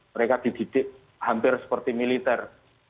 mereka dididik hampir seperti militer